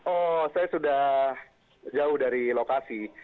oh saya sudah jauh dari lokasi